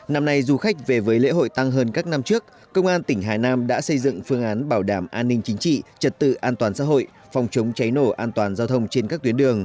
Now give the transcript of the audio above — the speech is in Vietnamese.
năm nay du khách về với lễ hội tăng hơn các năm trước công an tỉnh hà nam đã xây dựng phương án bảo đảm an ninh chính trị trật tự an toàn xã hội phòng chống cháy nổ an toàn giao thông trên các tuyến đường